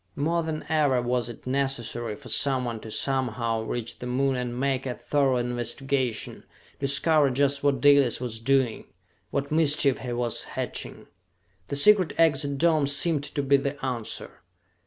More than ever was it necessary for someone to somehow reach the Moon and make a thorough investigation, discover just what Dalis was doing, what mischief he was hatching. The secret exit dome seemed to be the answer.